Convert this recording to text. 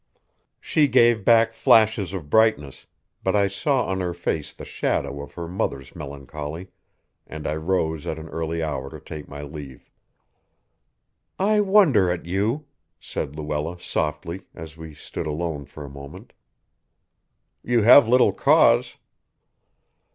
She gave back flashes of brightness, but I saw on her face the shadow of her mother's melancholy, and I rose at an early hour to take my leave. "I wonder at you," said Luella softly, as we stood alone for a moment. "You have little cause."